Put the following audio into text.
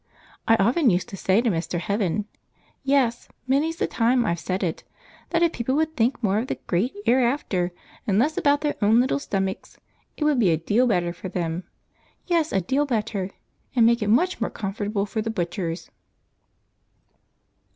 I often used to say to Mr. Heaven, yes many's the time I've said it, that if people would think more of the great 'ereafter and less about their own little stomachs, it would be a deal better for them, yes, a deal better, and make it much more comfortable for the butchers!"